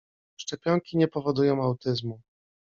Szczepionki nie powodują autyzmu.